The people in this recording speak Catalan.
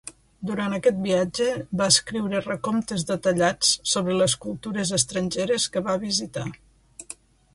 Durant aquest viatge va escriure recomptes detallats sobre les cultures estrangeres que va visitar.